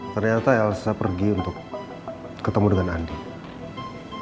ternyata elsa pergi untuk ketemu dengan andi